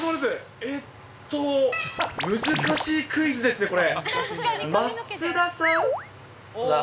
えっと、難しいクイズですね、これ。